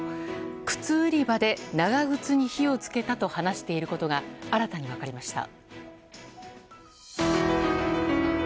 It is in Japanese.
靴売り場で長靴に火を付けたと話していることが新たに分かりました。